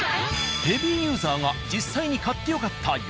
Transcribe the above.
ヘビーユーザーが実際に買ってよかった